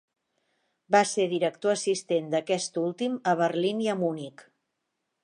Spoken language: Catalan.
Va ser director assistent d'aquest últim a Berlín i a Munic.